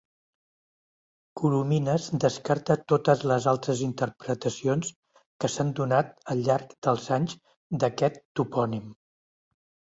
Coromines descarta totes les altres interpretacions que s'han donat al llarg dels anys d'aquest topònim.